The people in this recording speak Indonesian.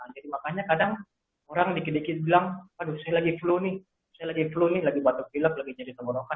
jadi makanya kadang orang dikit dikit bilang aduh saya lagi flu nih saya lagi flu nih lagi batuk gilek lagi jadi tenggorokan